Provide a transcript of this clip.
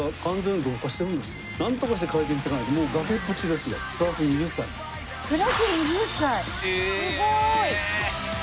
すごーい！